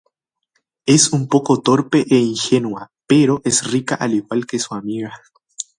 Es un poco torpe e ingenua, pero es rica al igual que su amiga.